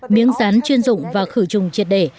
miếng rán chuyên dụng và khử trùng triệt đề